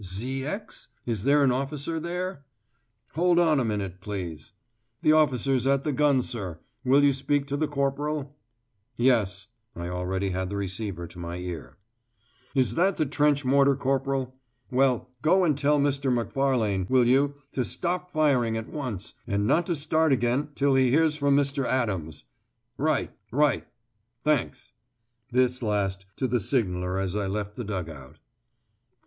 "Zx? Is there an officer there? Hold on a minute, please. The officer's at the gun, sir; will you speak to the corporal?" "Yes." I already had the receiver to my ear. "Is that the trench mortar corporal? Well, go and tell Mr. Macfarlane, will you, to stop firing at once, and not to start again till he hears from Mr. Adams. Right. Right. Thanks." This last to the signaller as I left the dug out.